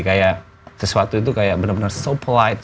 kayak sesuatu itu kayak bener bener so polite